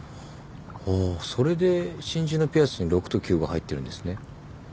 ああそれで真珠のピアスに６と９が入ってるんですね。